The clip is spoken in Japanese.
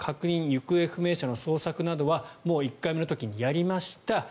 行方不明者の捜索などはもう１回目の時にやりました